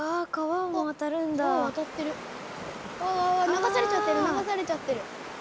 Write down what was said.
流されちゃってる流されちゃってる。